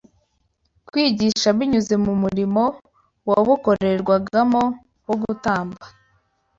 kwigisha binyuze mu murimo wabukorerwagamo wo gutamba